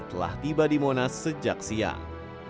telah tiba di monas sejak siang